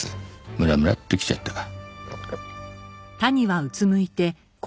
ムラムラッときちゃったか。